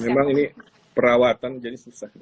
memang ini perawatan jadi susah